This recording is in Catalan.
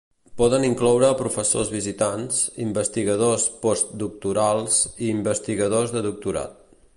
Poden incloure professors visitants, investigadors postdoctorals i investigadors de doctorat.